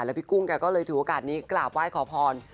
พี่กุ้งแกก็เลยถือโอกาสนี้กราบไหว้ขอพร